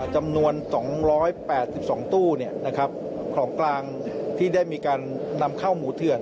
จำนวน๒๘๒ตู้ของกลางที่ได้มีการนำเข้าหมูเถื่อน